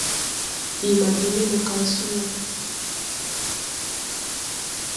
Bii ma joge mo kay so no.